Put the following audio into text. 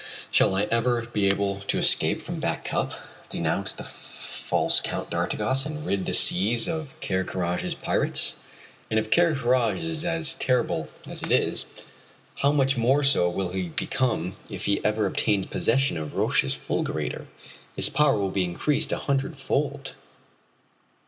Shall I ever be able to escape from Back Cup, denounce the false Count d'Artigas and rid the seas of Ker Karraje's pirates? And if Ker Karraje is terrible as it is, how much more so will he become if he ever obtains possession of Roch's fulgurator! His power will be increased a hundred fold!